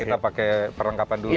kita pakai perlengkapan dulu